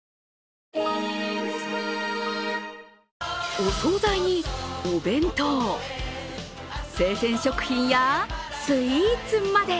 お総菜にお弁当、生鮮食品や、スイーツまで。